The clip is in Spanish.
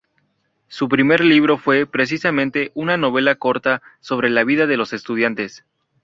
Su primer libro fue, precisamente, una novela corta sobre la vida de los estudiantes.